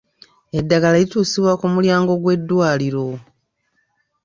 Eddagala lituusibwa ku mulyango gw'eddwaliro.